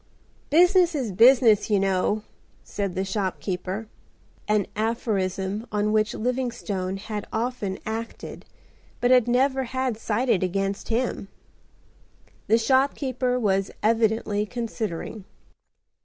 "Business is business, you know?" said the shopkeeper,—an aphorism on which Livingstone had often acted, but had never had cited against him. The shopkeeper was evidently considering.